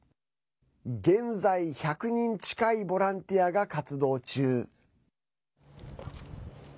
現在、１００人近いボランティアが活動中。